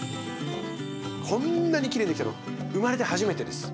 こんなにきれいにできたの生まれて初めてです。